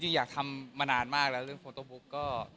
อยากทำมานานมากแล้วเรื่องโฟโต้บุ๊กก็